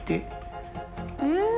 うん。